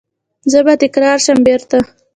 زه به تکرار شم بیرته